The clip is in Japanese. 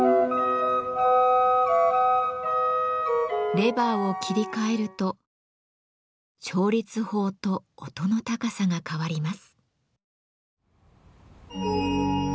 レバーを切り替えると調律法と音の高さが変わります。